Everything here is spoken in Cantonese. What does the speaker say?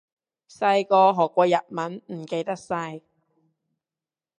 細個學過日文，唔記得晒